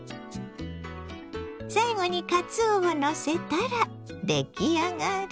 最後にかつおをのせたら出来上がり。